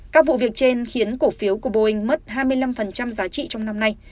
các vụ việc trên khiến cổ phiếu của boeing mất hai mươi năm giá trị trong năm nay